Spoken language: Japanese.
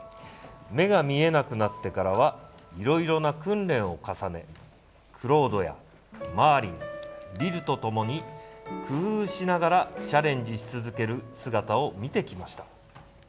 目が見えなくなってからはいろいろな訓練を重ねクロードやマーリンリルとともに工夫をしながらチャレンジし続ける姿を見てきました。